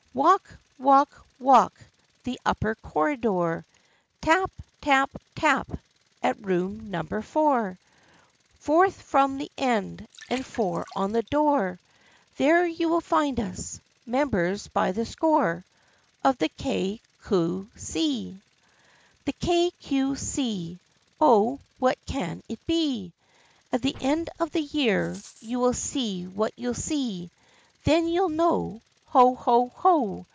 Walk, walk, walk, the upper corridor Tap, tap, tap, at Eoom Number Four, Fourth from the end, and 4 on the door, There you will find us, members by the score, Of the Kay Cue See. " The Kay Cue See ! Oh, what can it be I At the end of the year You will see what you'll see Then you'll know ! Ho ! ho ! ho!